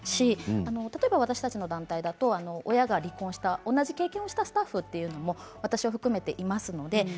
例えば私たちの団体だと親が離婚した同じ経験をしたスタッフも私を含めて、います。